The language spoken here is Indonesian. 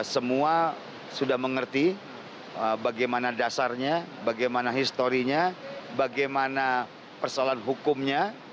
semua sudah mengerti bagaimana dasarnya bagaimana historinya bagaimana persoalan hukumnya